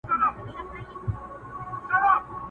چي په تا یې رنګول زاړه بوټونه،